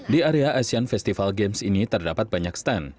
di area asian festival games ini terdapat banyak stand